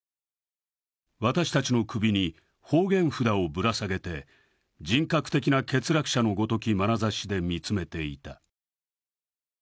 私たちの首に方言札をぶら下げて、人格的な欠落者のごときまなざしで見つめていた。